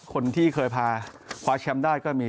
คนที่เคยพาคว้าแชมป์ได้ก็มี